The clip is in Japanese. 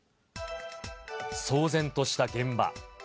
騒然とした現場。